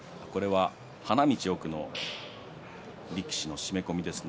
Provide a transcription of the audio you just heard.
花道の奥の力士の締め込みですね。